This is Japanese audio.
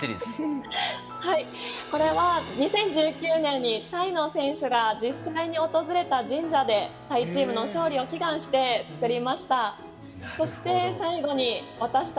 これは２０１９年にタイの選手が実際に訪れた神社でタイチームの勝利を祈願して作りました。